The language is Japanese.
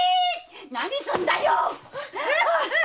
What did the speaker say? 何すんだよ！